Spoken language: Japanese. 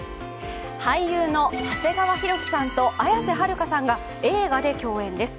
俳優の長谷川博己さんと綾瀬はるかさんが映画で共演です。